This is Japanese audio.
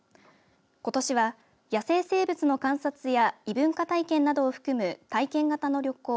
ことしは野生生物の観察や異文化体験などを含む体験型の旅行